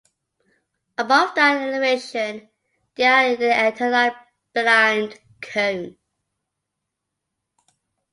Above that elevation, they are in the antenna blind cone.